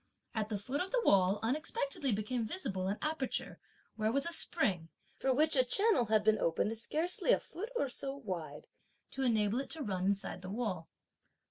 At the foot of the wall, unexpectedly became visible an aperture where was a spring, for which a channel had been opened scarcely a foot or so wide, to enable it to run inside the wall.